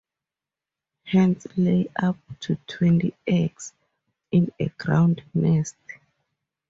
Hens lay up to twenty eggs in a ground nest.